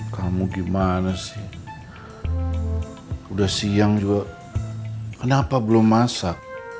kamu gimana sih udah siang juga kenapa belum masak